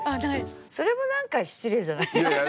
それもなんか失礼じゃないですか？